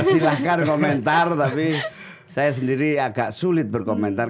silahkan komentar tapi saya sendiri agak sulit berkomentar